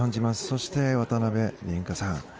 そして、渡辺倫果さん。